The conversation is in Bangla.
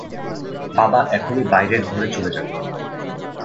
বাবা এখুনি বাইরের ঘরে চলে যাবেন।